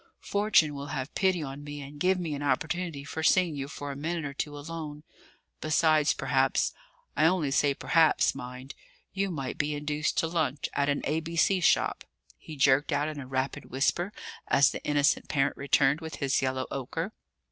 Fortune will have pity on me and give me an opportunity for seeing you for a minute or two alone. Besides, perhaps I only say perhaps, mind! you might be induced to lunch at an A.B.C. shop," he jerked out in a rapid whisper, as the innocent parent returned with his yellow ochre.